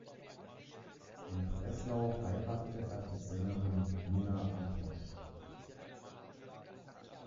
In Breslau heiratete er die Sängerin Minna Ambrosch.